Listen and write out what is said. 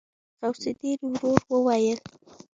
غوث الدين ورو وويل.